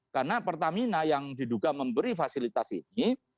karena pertamina yang diduga memberi fasilitas ini